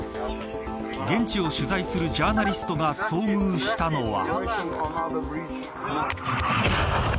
現地を取材するジャーナリストが遭遇したのは。